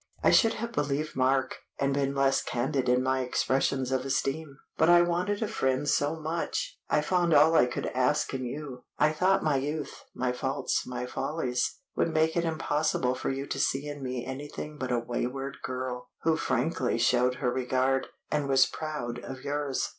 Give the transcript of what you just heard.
I should have believed Mark, and been less candid in my expressions of esteem. But I wanted a friend so much; I found all I could ask in you; I thought my youth, my faults, my follies, would make it impossible for you to see in me anything but a wayward girl, who frankly showed her regard, and was proud of yours.